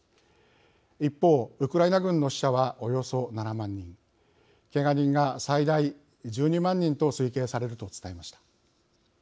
一方ウクライナ軍の死者はおよそ７万人けが人が最大１２万人と推計されると伝えました。